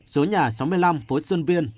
số nhà sáu mươi năm phố xuân viên